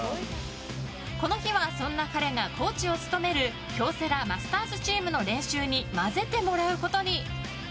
この日はそんな彼がコーチを務める京セラマスターズチームの練習に交ぜてもらうことに。